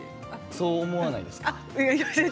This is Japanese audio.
そう思わないですか？